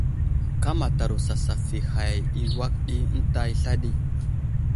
Kámataro sasaf i hay i awak ɗi ənta sla ɗi.